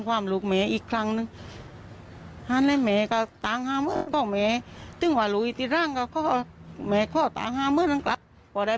หนูก็แค่โอนเงินให้เขาแต่ว่ามันพอโอน๗สลิปมันก็เข้าในเครื่องเรา